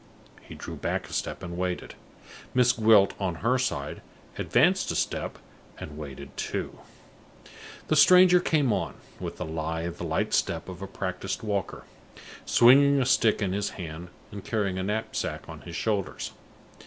He drew back a step and waited. Miss Gwilt, on her side, advanced a step and waited, too. The stranger came on, with the lithe, light step of a practiced walker, swinging a stick in his hand and carrying a knapsack on his shoulders.